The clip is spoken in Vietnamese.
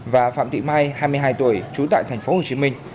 và phạm thị mai hai mươi hai tuổi trú tại tp hcm